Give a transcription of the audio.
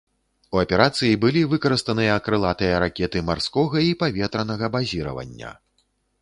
У аперацыі былі выкарыстаныя крылатыя ракеты марскога і паветранага базіравання.